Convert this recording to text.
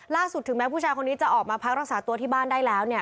ถึงแม้ผู้ชายคนนี้จะออกมาพักรักษาตัวที่บ้านได้แล้วเนี่ย